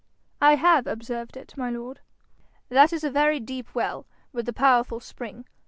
'I have observed it, my lord.' 'That is a very deep well, with a powerful spring.